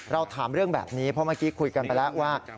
ถามเรื่องแบบนี้เพราะเมื่อกี้คุยกันไปแล้วว่า